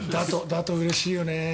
だと、うれしいよね。